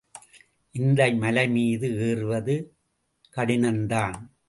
இந்த மலைமீது ஏறுவது கடினந்தான்.